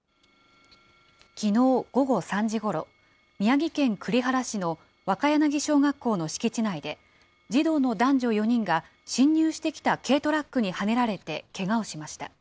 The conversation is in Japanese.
きのう午後３時ごろ、宮城県栗原市の若柳小学校の敷地内で、児童の男女４人が侵入してきた軽トラックにはねられて、けがをしました。